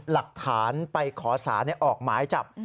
หลักฐานไปขอสารออกหมายจับ